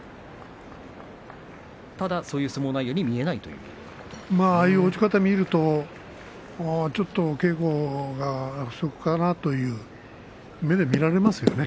ただ、そういう相撲内容にただああいう落ち方を見ると稽古不足かなとそういう目で見られますよね。